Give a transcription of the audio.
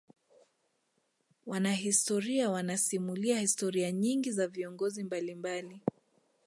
wanahistoria wanasimulia historia nyingi za viongozi mbalimbali